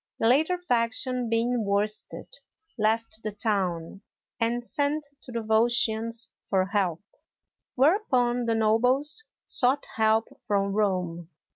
The latter faction being worsted, left the town, and sent to the Volscians for help; whereupon, the nobles sought help from Rome.